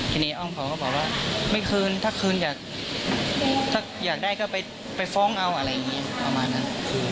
ทีนี้อ้อมเขาก็บอกว่าไม่คืนถ้าคืนอยากถ้าอยากได้ก็ไปฟ้องเอาอะไรอย่างนี้ประมาณนั้น